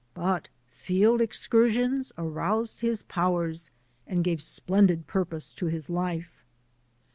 But field excursions aroused his powers and gave splen did purpose to his life.